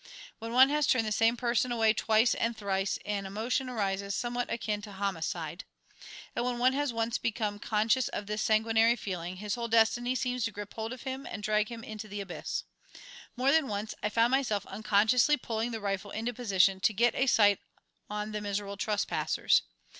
When one has turned the same person away twice and thrice an emotion arises somewhat akin to homicide. And when one has once become conscious of this sanguinary feeling his whole destiny seems to grip hold of him and drag him into the abyss. More than once I found myself unconsciously pulling the rifle into position to get a sight on the miserable trespassers.